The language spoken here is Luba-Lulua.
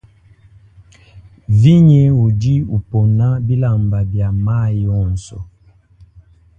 Vinie udi upona bilamba bia mayi onso.